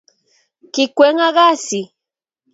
Ki kwoeng gasi